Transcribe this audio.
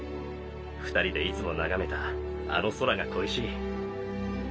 ２人でいつも眺めたあの空が恋しい。